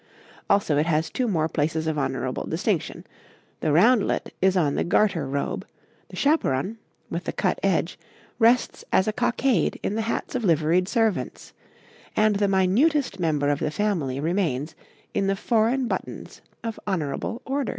Also it has two more places of honourable distinction the roundlet is on the Garter robe; the chaperon, with the cut edge, rests as a cockade in the hats of liveried servants, and the minutest member of the family remains in the foreign buttons of honourable Orders.